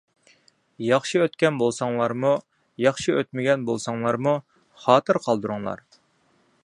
ياخشى ئۆتكەن بولساڭلارمۇ، ياخشى ئۆتمىگەن بولساڭلارمۇ خاتىرە قالدۇرۇڭلار.